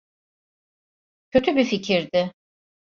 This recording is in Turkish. Kötü bir fikirdi.